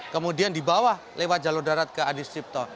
kemudian dibawah lewat jalur darat ke adi sumarmo